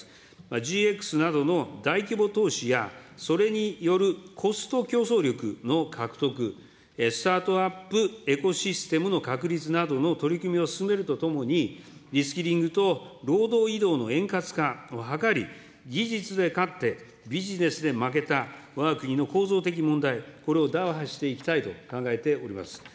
ＧＸなどの大規模投資や、それによるコスト競争力の獲得、スタートアップエコシステムの確立などの取り組みを進めるとともに、リスキリングと労働移動の円滑化を図り、技術で勝って、ビジネスで負けたわが国の構造的問題、これを打破していきたいと考えております。